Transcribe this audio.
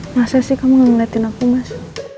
masa sih kamu gak ngeliatin aku mas